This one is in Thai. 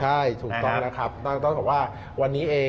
ใช่ถูกต้องนะครับต้องบอกว่าวันนี้เอง